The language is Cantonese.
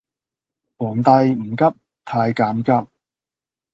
皇帝唔急太監急